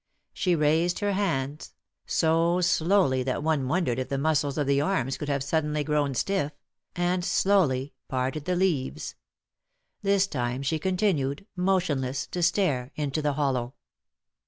She raised her hands — so slowly that one wondered if the muscles of the arms could have suddenly grown stiff — and slowly parted the leaves. This time she con tinued, motionless, to stare into the hollow.